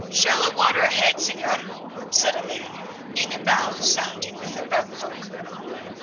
"Shallow water ahead, Señor," said a man in the bows sounding with a boat hook.